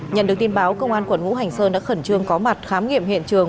nhận được tin báo công an quận ngũ hành sơn đã khẩn trương có mặt khám nghiệm hiện trường